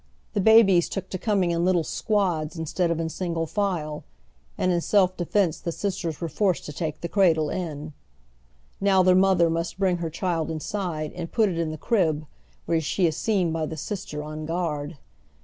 The babies took to coming in little squads instead of in single file, and in self defence the sisters were forced to take the cradle in. Xow the mother must bring her child inside and put it in the crib where she is seen by the sister on guard.